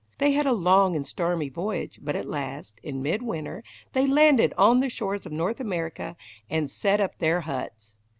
They had a long and stormy voyage, but at last, in mid winter, they landed on the shores of North America, and set up their huts.